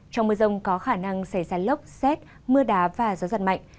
trong mưa rông có khả năng xảy ra lốc xét mưa đá và gió giật mạnh